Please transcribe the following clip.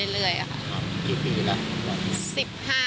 กี่ปีแล้วค่ะ